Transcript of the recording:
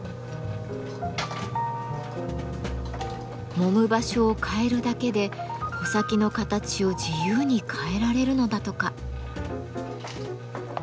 もむ場所を変えるだけで穂先の形を自由に変えられるのだとか。